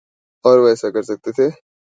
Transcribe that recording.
اور وہ ایسا کر سکتے تھے۔